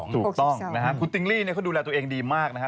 ถูกต้องนะฮะคุณติ๊งลี่เนี่ยเขาดูแลตัวเองดีมากนะฮะ